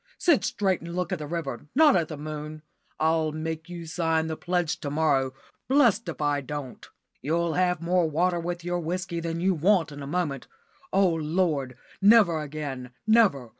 Sit straight and look at the river, not at the moon. I'll make you sign the pledge to morrow, blessed if I don't! You'll have more water with your whisky than you want in a moment. Oh, Lord! never again never.